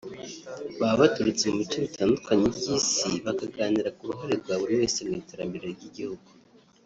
baba baturutse mu bice bitandukanye by’Isi bakaganira ku ruhare rwa buri wese mu iterambere ry’Igihugu